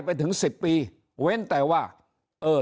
ถ้าท่านผู้ชมติดตามข่าวสาร